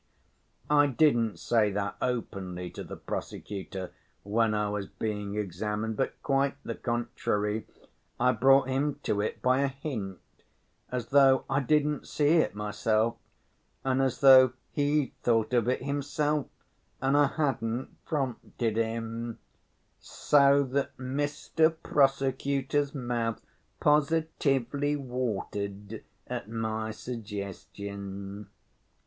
I didn't say that openly to the prosecutor when I was being examined, but quite the contrary, I brought him to it by a hint, as though I didn't see it myself, and as though he'd thought of it himself and I hadn't prompted him; so that Mr. Prosecutor's mouth positively watered at my suggestion."